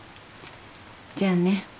じゃあね。